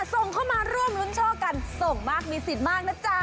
ส่งเข้ามาร่วมรุ้นโชคกันส่งมากมีสิทธิ์มากนะจ๊ะ